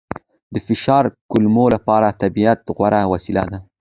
د فشار کمولو لپاره طبیعت غوره وسیله ده.